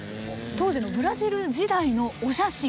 当時のブラジル時代のお写真が。